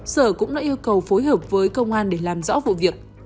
sở cũng đã yêu cầu phối hợp với công an để làm rõ vụ việc